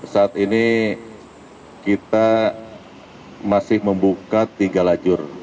saat ini kita masih membuka tiga lajur